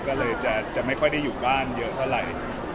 ก็เลยจะไม่ค่อยได้อยู่บ้านเยอะเท่าไหร่